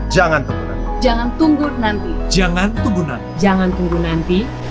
jangan tunggu nanti